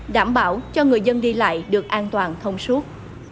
đảm bảo cho người dân đi lại được an toàn thông suốt